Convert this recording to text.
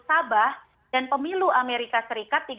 sabah dan pemilu amerika serikat